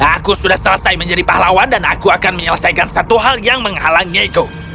aku sudah selesai menjadi pahlawan dan aku akan menyelesaikan satu hal yang menghalangiku